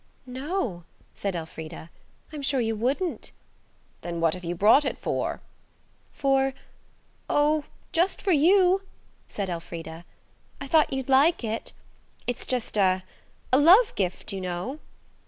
"No," said Elfrida. "I'm sure you wouldn't." "Then what have you brought it for?" "For–oh, just for you," said Elfrida. "I thought you'd like it. It's just a–a love gift, you know."